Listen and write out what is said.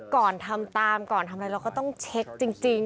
ก่อนทำตามก่อนทำอะไรเราก็ต้องเช็คจริง